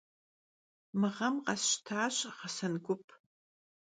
Mı ğem khesştaş ğesen gup.